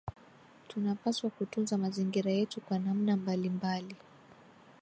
Tunapaswa kutunza mazingira yetu kwa namna mbalimbali